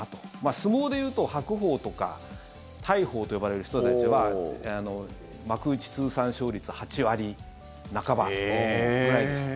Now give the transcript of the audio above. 相撲でいうと白鵬とか大鵬と呼ばれる人たちは幕内通算勝率８割半ばぐらいでしたか。